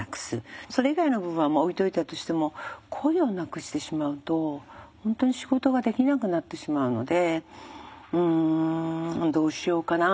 それ以外の部分は置いておいたとしても声をなくしてしまうと本当に仕事ができなくなってしまうのでうんどうしようかな。